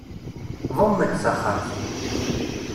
Ḍumm-d taxxamt.